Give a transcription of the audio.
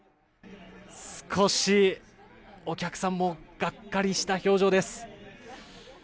少しお客さんもがっかりした表情です。